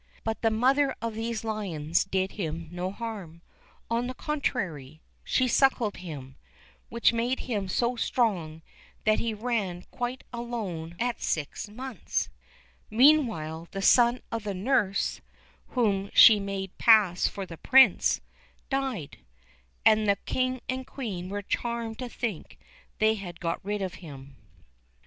But the mother of these lions did him no harm; on the contrary, she suckled him, which made him so strong, that he ran quite alone at six months. Meanwhile the son of the nurse, whom she made pass for the Prince, died, and the King and Queen were charmed to think they had got rid of him.